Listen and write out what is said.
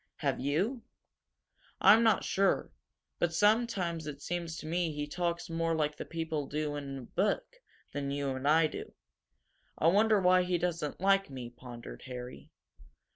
Have you?" "I'm not sure. But sometimes it seems to me he talks more like the people do in a book than you and I do. I wonder why he doesn't like me?" pondered Harry.